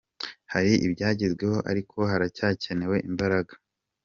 Hari ibyagezweho ariko haracyakenewe imbaraga